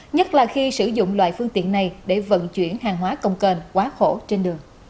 nhất là khi sử dụng loại phương tiện này để vận chuyển hàng hóa công kênh quá khổ trên đường